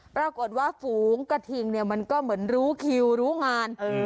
ปรากฏว่าฝูงกระทิงเนี่ยมันก็เหมือนรู้คิวรู้งาน